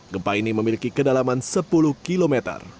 gempa ini memiliki kedalaman sepuluh km